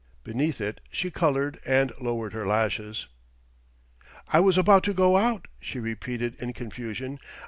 Beneath it she colored and lowered her lashes. "I was about to go out," she repeated in confusion.